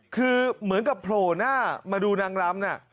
คือเหมือนกับโผล่หน้ามาดูนางรำน่ะ